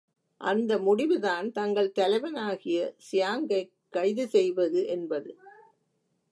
அந்த முடிவுதான் தங்கள் தலைவனாகிய சியாங்கைக் கைது செய்வது என்பது.